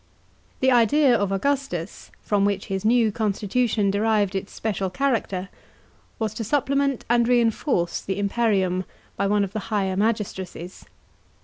The idea of Augustus, from which his new constitution derived its special character, was to supplement and reinforce the imperium by one of the higher magistracies.